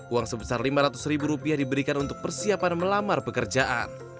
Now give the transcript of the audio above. uang sebesar lima ratus ribu rupiah diberikan untuk persiapan melamar pekerjaan